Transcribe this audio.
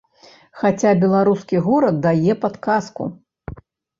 Хаця беларускі горад дае падказку.